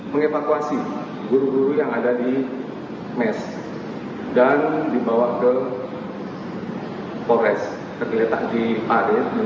pertama kali pemerintah tni paniai menangkap orang yang berada di kabupaten paniai